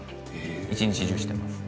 一日中しています。